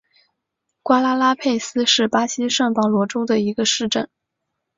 瓜拉拉佩斯是巴西圣保罗州的一个市镇。